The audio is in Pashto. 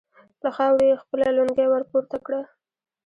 له خاورو يې خپله لونګۍ ور پورته کړه.